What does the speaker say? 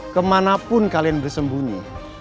kemanapun kalian bersembunyi